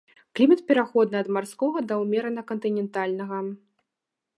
Клімат пераходны ад марскога да ўмерана кантынентальнага.